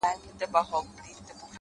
دا غرونه غرونه پـه واوښـتـل”